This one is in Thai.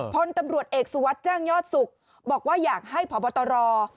พลตำรวจเอกสุวัสดิ์แจ้งยอดสุขบอกว่าอยากให้พบตร